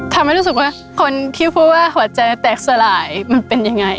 ทำให้รู้สึกว่าคนที่พูดว่าหัวใจแตกสลายมันเป็นยังไง